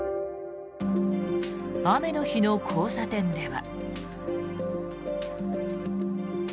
雨の日の交差点では。